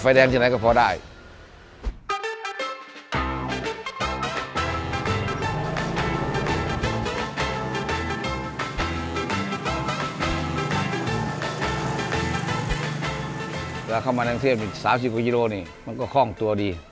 เวลาเข้ามาทางเทพฯ๓๐กว่ายิโรมันก็คล่องตัวดี